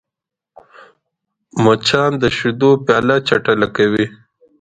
مچان د شیدو پیاله چټله کوي